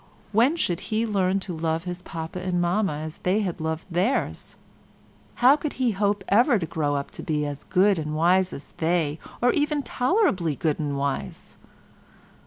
When should he learn to love his Papa and Mamma as they had loved theirs? How could he hope ever to grow up to be as good and wise as they, or even tolerably good and wise?